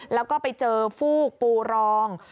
แล้วก็ไปเจอฟูกปูรอง